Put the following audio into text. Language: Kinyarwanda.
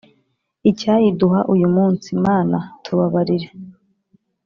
Icyayiduh’ uyu munsi, Mana tubabarire.